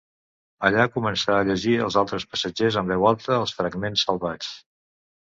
Allà comença a llegir als altres passatgers en veu alta els fragments salvats.